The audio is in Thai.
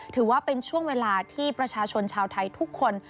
ถือว่าเป็นช่วงเวลาที่ประชาชนชาวไทยทุกคน